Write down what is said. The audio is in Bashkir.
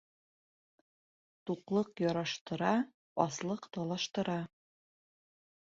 Туҡлыҡ яраштыра, аслыҡ талаштыра.